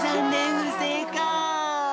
ふせいかい！